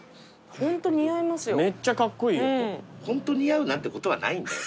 「ホント似合うな」ってことはないんだよ。